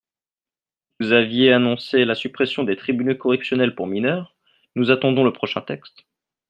Vous aviez annoncé la suppression des tribunaux correctionnels pour mineurs, nous attendons le prochain texte.